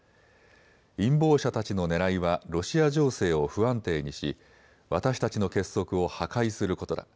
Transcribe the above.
陰謀者たちのねらいはロシア情勢を不安定にし私たちの結束を破壊することだ。